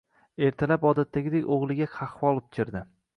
Ertalab, odatdagidek, o`g`liga qahva olib kirdi